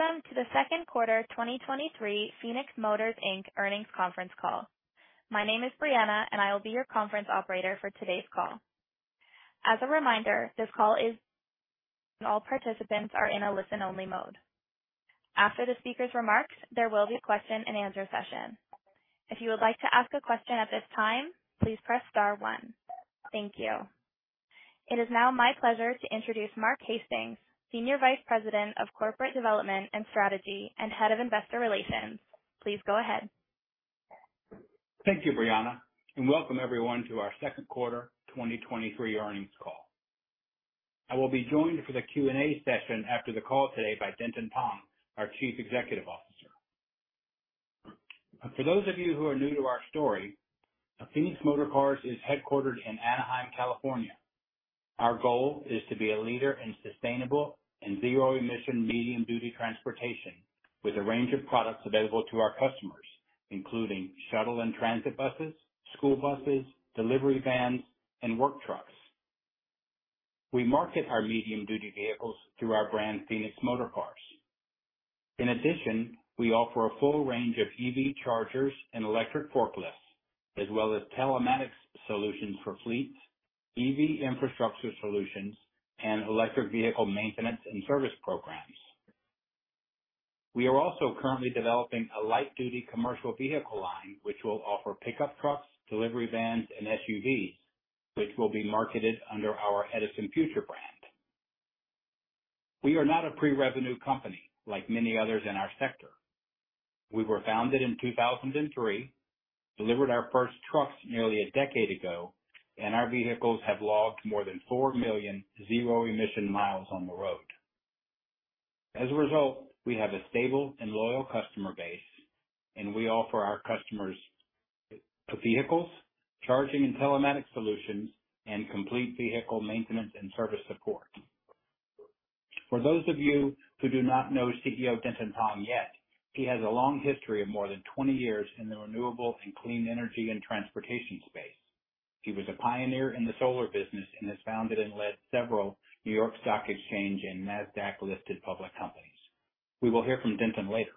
Welcome to the second quarter 2023 Phoenix Motor Inc. earnings conference call. My name is Brianna. I will be your conference operator for today's call. As a reminder, all participants are in a listen-only mode. After the speaker's remarks, there will be a question-and-answer session. If you would like to ask a question at this time, please press star one. Thank you. It is now my pleasure to introduce Mark Hastings, Senior Vice President of Corporate Development and Strategy and Head of Investor Relations. Please go ahead. Thank you, Brianna. Welcome everyone to our second quarter 2023 earnings call. I will be joined for the Q&A session after the call today by Denton Peng, our Chief Executive Officer. For those of you who are new to our story, Phoenix Motorcars is headquartered in Anaheim, California. Our goal is to be a leader in sustainable and zero-emission medium-duty transportation, with a range of products available to our customers, including shuttle and transit buses, school buses, delivery vans, and work trucks. We market our medium-duty vehicles through our brand, Phoenix Motorcars. In addition, we offer a full range of EV chargers and electric forklifts, as well as telematics solutions for fleets, EV infrastructure solutions, and electric vehicle maintenance and service programs. We are also currently developing a light-duty commercial vehicle line, which will offer pickup trucks, delivery vans, and SUVs, which will be marketed under our EdisonFuture brand. We are not a pre-revenue company like many others in our sector. We were founded in 2003, delivered our first trucks nearly a decade ago, and our vehicles have logged more than four million zero-emission miles on the road. As a result, we have a stable and loyal customer base, and we offer our customers vehicles, charging and telematics solutions, and complete vehicle maintenance and service support. For those of you who do not know CEO Denton Peng yet, he has a long history of more than 20 years in the renewable and clean energy and transportation space. He was a pioneer in the solar business and has founded and led several New York Stock Exchange and Nasdaq-listed public companies. We will hear from Denton later.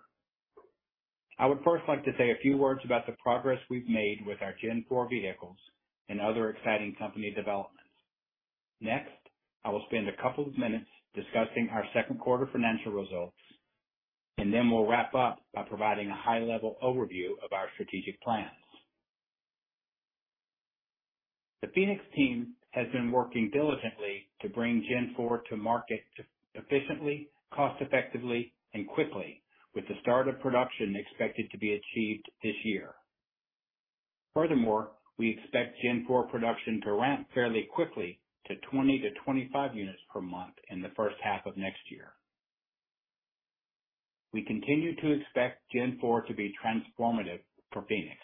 I would first like to say a few words about the progress we've made with our Gen 4 vehicles and other exciting company developments. Next, I will spend a couple of minutes discussing our second quarter financial results, and then we'll wrap up by providing a high-level overview of our strategic plans. The Phoenix team has been working diligently to bring Gen 4 to market efficiently, cost-effectively, and quickly, with the start of production expected to be achieved this year. Furthermore, we expect Gen 4 production to ramp fairly quickly to 20-25 units per month in the first half of next year. We continue to expect Gen 4 to be transformative for Phoenix.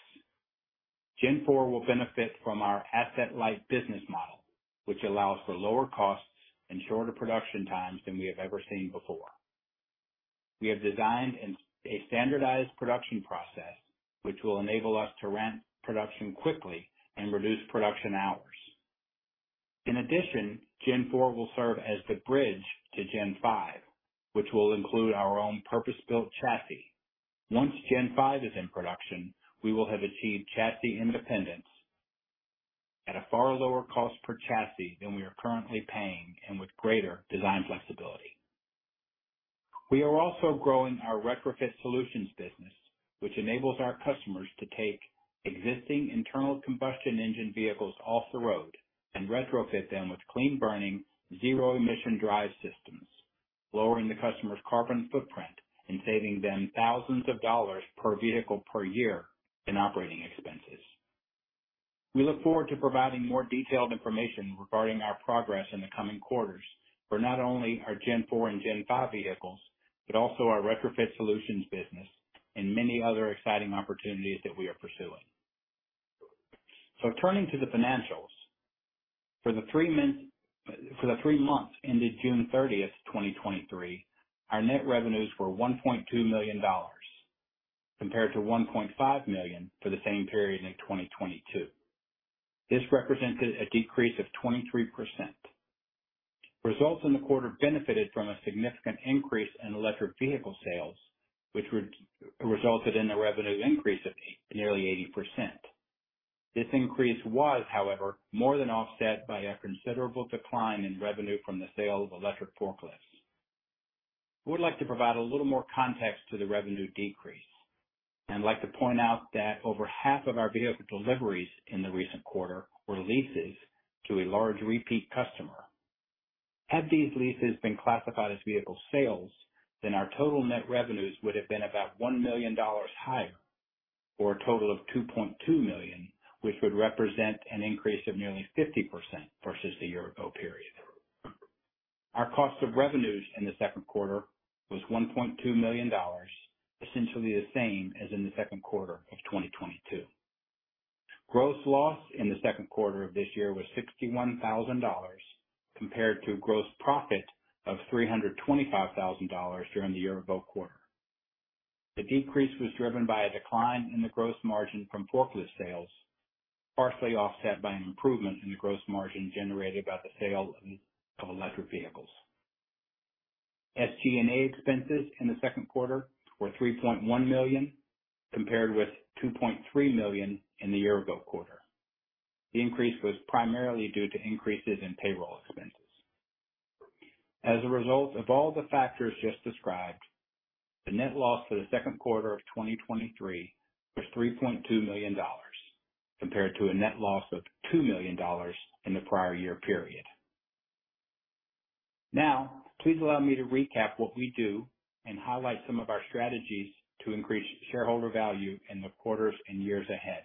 Gen 4 will benefit from our asset-light business model, which allows for lower costs and shorter production times than we have ever seen before. We have designed a standardized production process which will enable us to ramp production quickly and reduce production hours. In addition, Gen 4 will serve as the bridge to Gen 5, which will include our own purpose-built chassis. Once Gen 5 is in production, we will have achieved chassis independence at a far lower cost per chassis than we are currently paying and with greater design flexibility. We are also growing our retrofit solutions business, which enables our customers to take existing internal combustion engine vehicles off the road and retrofit them with clean burning, zero-emission drive systems, lowering the customer's carbon footprint and saving them thousands of dollars per vehicle per year in operating expenses. We look forward to providing more detailed information regarding our progress in the coming quarters for not only our Gen 4 and Gen 5 vehicles, but also our retrofit solutions business and many other exciting opportunities that we are pursuing. Turning to the financials, for the three months, for the three months ended June 30th, 2023, our net revenues were $1.2 million, compared to $1.5 million for the same period in 2022. This represented a decrease of 23%. Results in the quarter benefited from a significant increase in electric vehicle sales, which resulted in a revenue increase of nearly 80%. This increase was, however, more than offset by a considerable decline in revenue from the sale of electric forklifts. We would like to provide a little more context to the revenue decrease, and I'd like to point out that over half of our vehicle deliveries in the recent quarter were leases to a large repeat customer. Had these leases been classified as vehicle sales, then our total net revenues would have been about $1 million higher, or a total of $2.2 million, which would represent an increase of nearly 50% versus the year-ago period. Our cost of revenues in the second quarter was $1.2 million, essentially the same as in the second quarter of 2022. Gross loss in the second quarter of this year was $61,000, compared to a gross profit of $325,000 during the year-ago quarter. The decrease was driven by a decline in the gross margin from forklift sales, partially offset by an improvement in the gross margin generated by the sale of, of electric vehicles. SG&A expenses in the second quarter were $3.1 million, compared with $2.3 million in the year-ago quarter. The increase was primarily due to increases in payroll expenses. As a result of all the factors just described, the net loss for the second quarter of 2023 was $3.2 million, compared to a net loss of $2 million in the prior year period. Now, please allow me to recap what we do and highlight some of our strategies to increase shareholder value in the quarters and years ahead.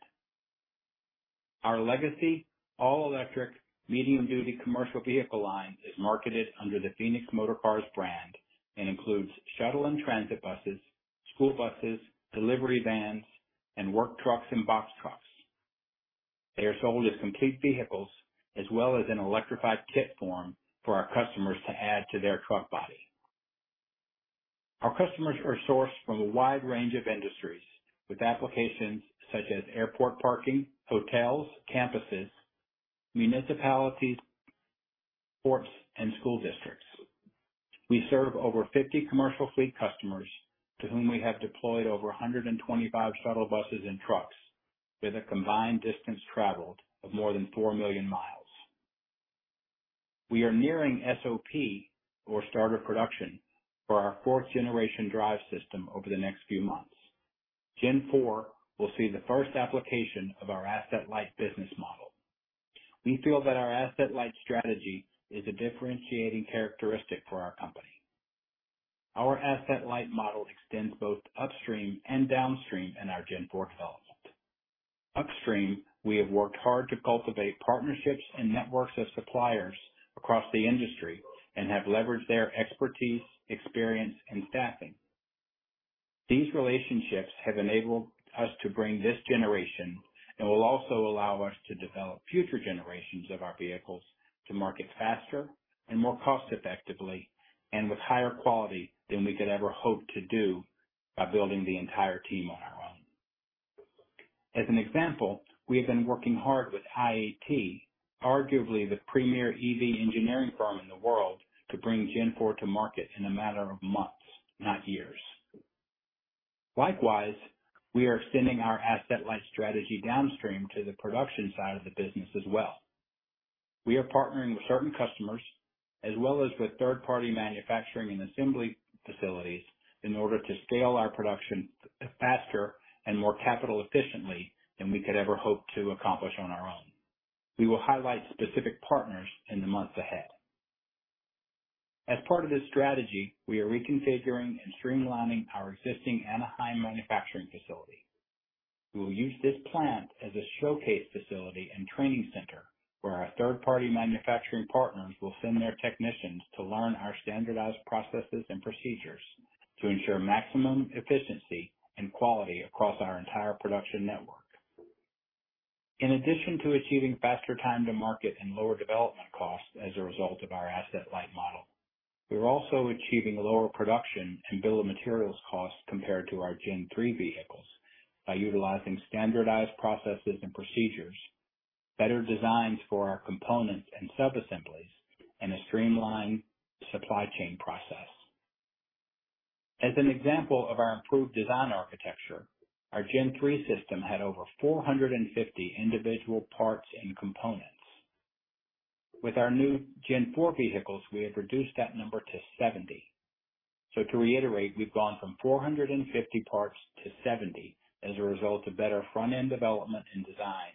Our legacy all-electric medium-duty commercial vehicle line is marketed under the Phoenix Motorcars brand and includes shuttle and transit buses, school buses, delivery vans, and work trucks and box trucks. They are sold as complete vehicles, as well as in electrified kit form for our customers to add to their truck body. Our customers are sourced from a wide range of industries, with applications such as airport parking, hotels, campuses, municipalities, ports, and school districts. We serve over 50 commercial fleet customers, to whom we have deployed over 125 shuttle buses and trucks, with a combined distance traveled of more than four million miles. We are nearing SOP, or start of production, for our fourth generation drive system over the next few months. Gen 4 will see the first application of our asset-light business model. We feel that our asset-light strategy is a differentiating characteristic for our company. Our asset-light model extends both upstream and downstream in our Gen 4 development. Upstream, we have worked hard to cultivate partnerships and networks of suppliers across the industry and have leveraged their expertise, experience, and staffing. These relationships have enabled us to bring this generation and will also allow us to develop future generations of our vehicles to market faster and more cost effectively, and with higher quality than we could ever hope to do by building the entire team on our own. As an example, we have been working hard with IAT, arguably the premier EV engineering firm in the world, to bring Gen 4 to market in a matter of months, not years. Likewise, we are extending our asset-light strategy downstream to the production side of the business as well. We are partnering with certain customers, as well as with third-party manufacturing and assembly facilities, in order to scale our production faster and more capital efficiently than we could ever hope to accomplish on our own. We will highlight specific partners in the months ahead. As part of this strategy, we are reconfiguring and streamlining our existing Anaheim manufacturing facility. We will use this plant as a showcase facility and training center, where our third-party manufacturing partners will send their technicians to learn our standardized processes and procedures to ensure maximum efficiency and quality across our entire production network. In addition to achieving faster time to market and lower development costs as a result of our asset-light model, we are also achieving lower production and bill of materials costs compared to our Gen 3 vehicles by utilizing standardized processes and procedures, better designs for our components and subassemblies, and a streamlined supply chain process. As an example of our improved design architecture, our Gen 3 system had over 450 individual parts and components. With our new Gen 4 vehicles, we have reduced that number to 70. To reiterate, we've gone from 450 parts to 70 as a result of better front-end development and design,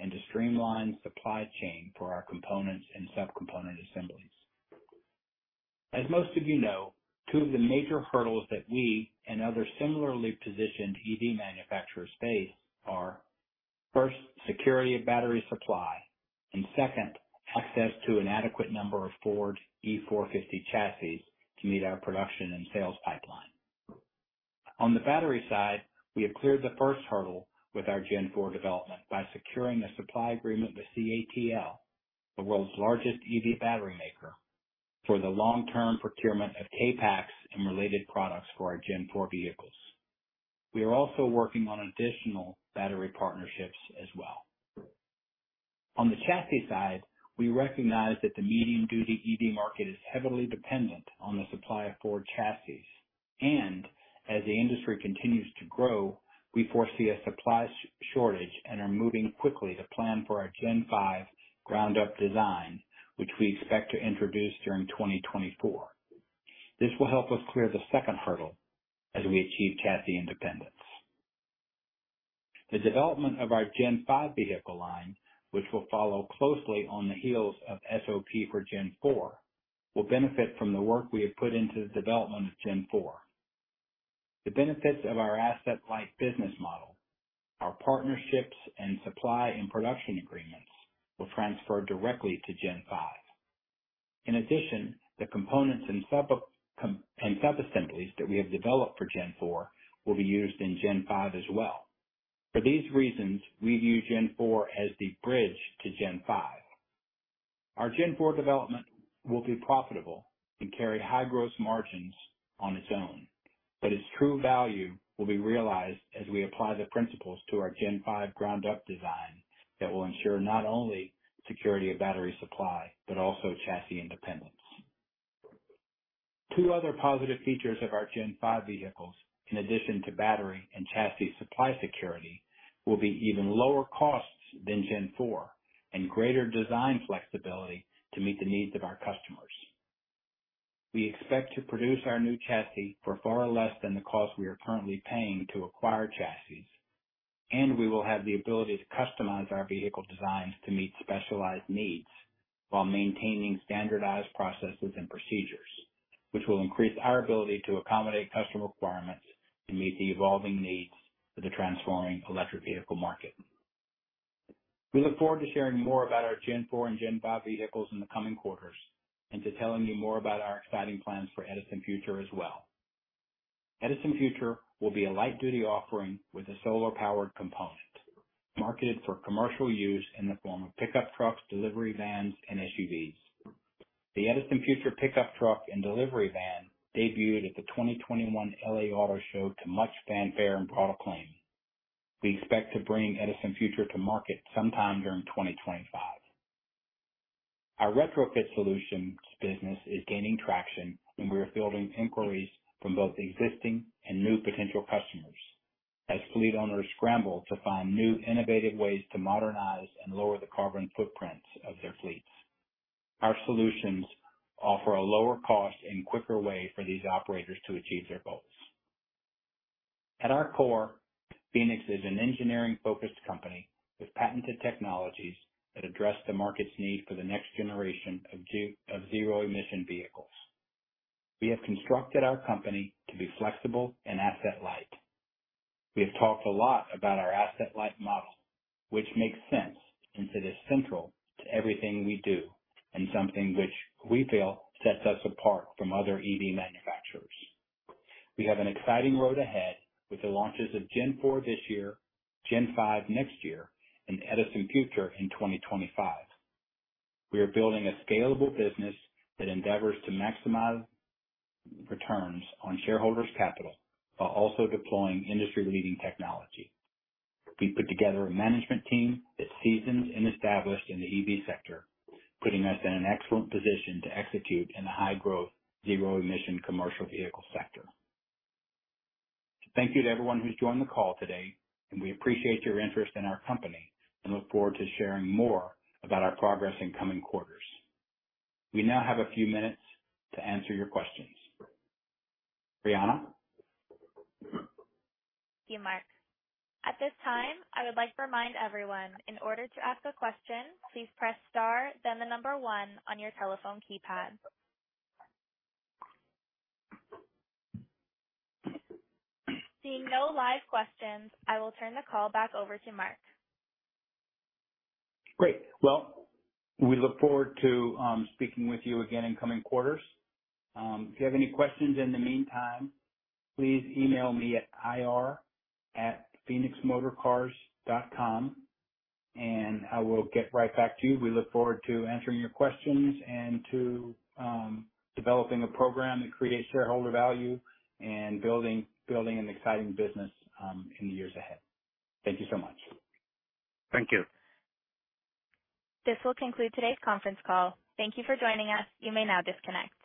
and a streamlined supply chain for our components and subcomponent assemblies. As most of you know, two of the major hurdles that we and other similarly positioned EV manufacturers face are, first, security of battery supply, and second, access to an adequate number of Ford E-450 chassis to meet our production and sales pipeline. On the battery side, we have cleared the first hurdle with our Gen 4 development by securing a supply agreement with CATL, the world's largest EV battery maker, for the long-term procurement of K-Packs and related products for our Gen 4 vehicles. We are also working on additional battery partnerships as well. On the chassis side, we recognize that the medium-duty EV market is heavily dependent on the supply of Ford chassis. As the industry continues to grow, we foresee a supply shortage and are moving quickly to plan for our Gen 5 ground-up design, which we expect to introduce during 2024. This will help us clear the second hurdle as we achieve chassis independence. The development of our Gen 5 vehicle line, which will follow closely on the heels of SOP for Gen 4, will benefit from the work we have put into the development of Gen 4. The benefits of our asset-light business model, our partnerships, and supply and production agreements will transfer directly to Gen 5. In addition, the components and subassemblies that we have developed for Gen 4 will be used in Gen 5 as well. For these reasons, we view Gen 4 as the bridge to Gen 5. Our Gen 4 development will be profitable and carry high gross margins on its own, but its true value will be realized as we apply the principles to our Gen 5 ground-up design that will ensure not only security of battery supply, but also chassis independence. Two other positive features of our Gen 5 vehicles, in addition to battery and chassis supply security, will be even lower costs than Gen 4 and greater design flexibility to meet the needs of our customers. We expect to produce our new chassis for far less than the cost we are currently paying to acquire chassis, and we will have the ability to customize our vehicle designs to meet specialized needs while maintaining standardized processes and procedures, which will increase our ability to accommodate customer requirements and meet the evolving needs of the transforming electric vehicle market. We look forward to sharing more about our Gen 4 and Gen 5 vehicles in the coming quarters, and to telling you more about our exciting plans for EdisonFuture as well. EdisonFuture will be a light-duty offering with a solar-powered component, marketed for commercial use in the form of pickup trucks, delivery vans and SUVs. The EdisonFuture pickup truck and delivery van debuted at the 2021 LA Auto Show to much fanfare and broad acclaim. We expect to bring EdisonFuture to market sometime during 2025. Our retrofit solutions business is gaining traction, and we are fielding inquiries from both existing and new potential customers, as fleet owners scramble to find new, innovative ways to modernize and lower the carbon footprints of their fleets. Our solutions offer a lower cost and quicker way for these operators to achieve their goals. At our core, Phoenix is an engineering-focused company with patented technologies that address the market's need for the next generation of zero-emission vehicles. We have constructed our company to be flexible and asset-light. We have talked a lot about our asset-light model, which makes sense since it is central to everything we do and something which we feel sets us apart from other EV manufacturers. We have an exciting road ahead with the launches of Gen4 this year, Gen5 next year, and EdisonFuture in 2025. We are building a scalable business that endeavors to maximize returns on shareholders' capital, while also deploying industry-leading technology. We put together a management team that's seasoned and established in the EV sector, putting us in an excellent position to execute in the high-growth, zero-emission commercial vehicle sector. Thank you to everyone who's joined the call today. We appreciate your interest in our company and look forward to sharing more about our progress in coming quarters. We now have a few minutes to answer your questions. Brianna? Thank you, Mark. At this time, I would like to remind everyone, in order to ask a question, please press star, then the number one on your telephone keypad. Seeing no live questions, I will turn the call back over to Mark. Great! Well, we look forward to speaking with you again in coming quarters. If you have any questions in the meantime, please email me at ir@phoenixmotorcars.com, I will get right back to you. We look forward to answering your questions and to developing a program that creates shareholder value and building an exciting business in the years ahead. Thank you so much. Thank you. This will conclude today's conference call. Thank you for joining us. You may now disconnect.